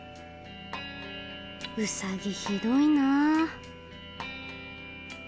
ウサギひどいな。